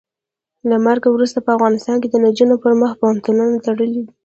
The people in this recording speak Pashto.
له مرګه وروسته په افغانستان کې د نجونو پر مخ پوهنتونونه تړلي دي.